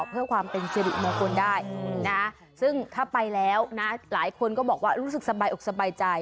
เพื่อความเป็นขนาดเหลือถูกได้ซึ่งถ้าไปแล้วหลายคนก็บอกว่ารู้สึกสบาย